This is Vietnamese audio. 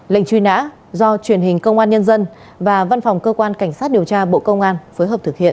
lệnh truy nã do truyền hình công an nhân dân và văn phòng cơ quan cảnh sát điều tra bộ công an phối hợp thực hiện